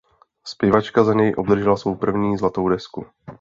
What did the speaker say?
Zpěvačka za něj obdržela svou první zlatou desku.